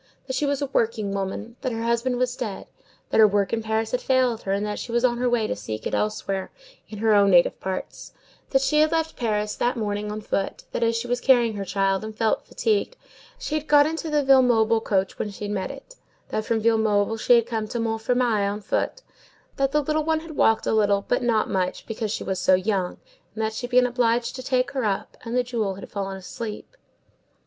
That she was a working woman; that her husband was dead; that her work in Paris had failed her, and that she was on her way to seek it elsewhere, in her own native parts; that she had left Paris that morning on foot; that, as she was carrying her child, and felt fatigued, she had got into the Villemomble coach when she met it; that from Villemomble she had come to Montfermeil on foot; that the little one had walked a little, but not much, because she was so young, and that she had been obliged to take her up, and the jewel had fallen asleep.